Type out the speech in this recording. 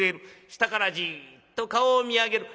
下からじっと顔を見上げる。